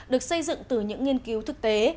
được xây dựng từ những nghiên cứu thực tế